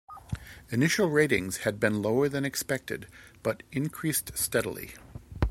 Initial ratings had been lower than expected but increased steadily.